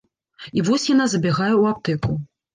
І вось яна забягае ў аптэку.